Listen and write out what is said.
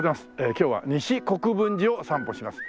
今日は西国分寺を散歩します。